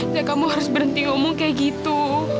ya kamu harus berhenti ngomong kayak gitu